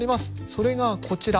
それがこちら。